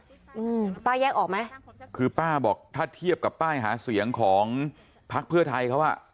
อืมป้าแยกออกไหมคือป้าบอกถ้าเทียบกับป้ายหาเสียงของพักเพื่อไทยเขาอ่ะ